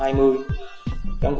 truyền thông tin